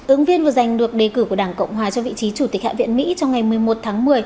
ứng viên vừa giành được đề cử của đảng cộng hòa cho vị trí chủ tịch hạ viện mỹ trong ngày một mươi một tháng một mươi